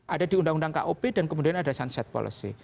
ada di undang undang kop dan kemudian ada sunset policy